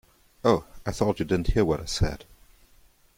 Oh, I thought you didn't hear what I said.